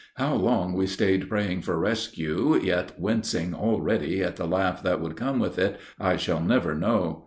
How long we stayed praying for rescue, yet wincing already at the laugh that would come with it, I shall never know.